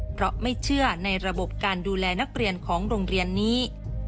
เพราะไม่เชื่อในระบบการดูแลนักเรียนของโรงเรียนนี้